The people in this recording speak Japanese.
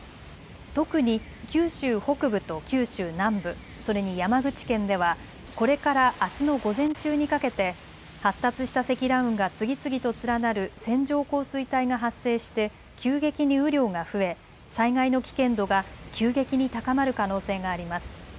特に九州北部と九州南部それに山口県ではこれからあすの午前中にかけて発達した積乱雲が次々と連なる線状降水帯が発生して急激に雨量が増え災害の危険度が急激に高まる可能性があります。